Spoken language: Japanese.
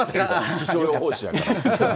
気象予報士やから。